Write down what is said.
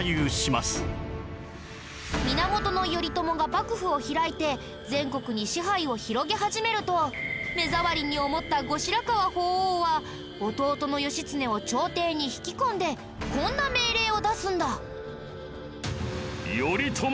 源頼朝が幕府を開いて全国に支配を広げ始めると目障りに思った後白河法皇は弟の義経を朝廷に引き込んでこんな命令を出すんだ。